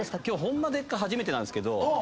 今日『ホンマでっか⁉』初めてなんですけど。